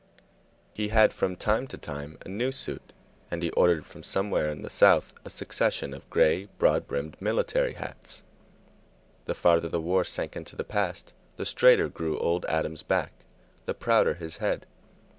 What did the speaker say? He had from time to time a new suit, and he ordered from somewhere in the South a succession of gray, broad brimmed military hats. The farther the war sank into the past, the straighter grew old Adam's back, the prouder his head.